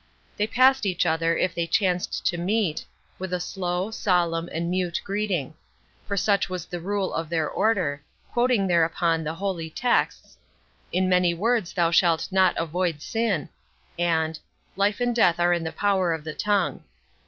They passed each other, if they chanced to meet, with a slow, solemn, and mute greeting; for such was the rule of their Order, quoting thereupon the holy texts, "In many words thou shalt not avoid sin," and "Life and death are in the power of the tongue."